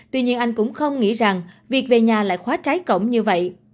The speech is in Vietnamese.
tuy nhiên anh cũng không nghĩ rằng việc về nhà lại khóa trái cổng như vậy